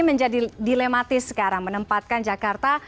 menjadi dilematis sekarang menempatkan jakarta